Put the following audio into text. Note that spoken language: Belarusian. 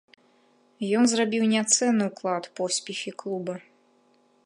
Ён зрабіў неацэнны ўклад у поспехі клуба.